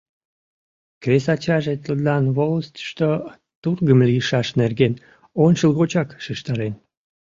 Кресачаже тудлан волостьышто тургым лийшаш нерген ончылгочак шижтарен.